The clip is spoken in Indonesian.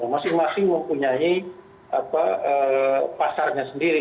masing masing mempunyai pasarnya sendiri